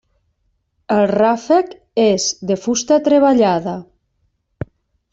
El ràfec és de fusta treballada.